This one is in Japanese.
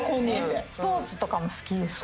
スポーツとかも好きですから。